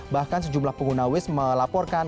bahkan sejumlah pengguna waste melaporkan